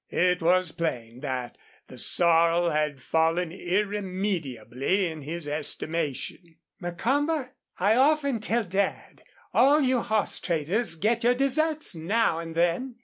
It was plain that the sorrel had fallen irremediably in his estimation. "Macomber, I often tell Dad all you horse traders get your deserts now and then.